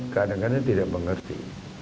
kadang kadang tidak mengerti